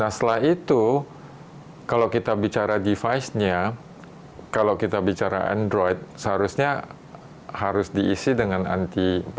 nah setelah itu kalau kita bicara perangkatnya kalau kita bicara android seharusnya harus diisi dengan anti pandemi